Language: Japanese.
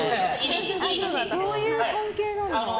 どういう関係なの？